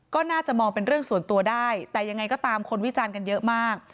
ก็น่าจะมองเป็นเรื่องส่วนตัวได้แต่ยังไงก็ตามคนวิจารณ์กันเยอะมาก